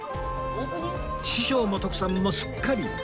師匠も徳さんもすっかり大満足！